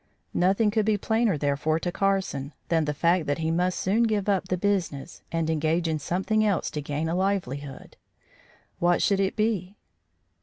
Nothing could be plainer, therefore, to Carson than the fact that he must soon give up the business and engage in something else to gain a livelihood. What should it be?